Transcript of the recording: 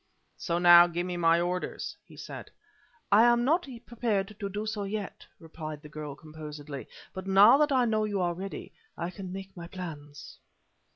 "So now, give me my orders," he said. "I am not prepared to do so, yet," replied the girl, composedly; "but now that I know you are ready, I can make my plans."